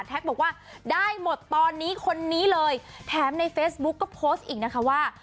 บอกว่าได้หมดตอนนี้คนนี้เลยแถมในเฟซบุ๊กก็โพสต์อีกนะคะว่า